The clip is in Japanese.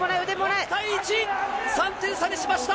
４対１、３点差にしました。